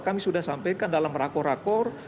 kami sudah sampaikan dalam rakor rakor